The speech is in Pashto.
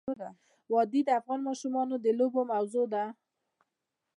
وادي د افغان ماشومانو د لوبو موضوع ده.